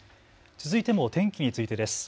続いても天気についてです。